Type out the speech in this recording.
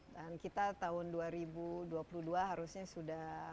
dan kita tahun dua ribu dua puluh dua harusnya sudah